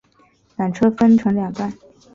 缆车分成两段